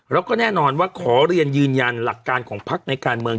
แล้วก็แน่นอนว่าขอเรียนยืนยันหลักการของพักในการเมือง